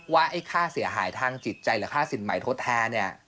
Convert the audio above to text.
ว่าไอ้ค่าเสียหายทางจิตใจหรือค่าสินใหม่ทดแทนเนี่ย